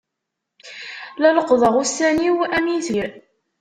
La leqqḍeɣ ussan-iw am itbir.